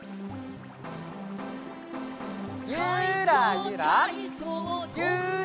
ゆらゆら。